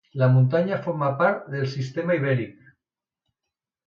La muntanya forma part del Sistema Ibèric.